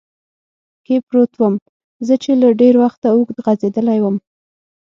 کې پروت ووم، زه چې له ډېر وخته اوږد غځېدلی ووم.